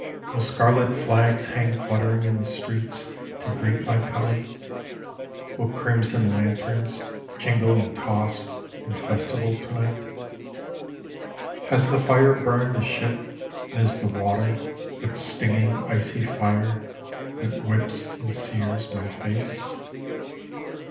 Will scarlet flags hang fluttering in the streets To greet my coming? Will crimson lanterns Jingle and toss in festival to night? Has the fire burned the ship and is the water But stinging icy fire, That whips and sears my face?